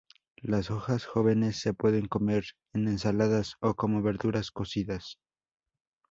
Las hojas jóvenes se pueden comer en ensaladas o como verduras cocidas.